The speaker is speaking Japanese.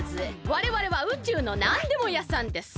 われわれは宇宙のなんでも屋さんです。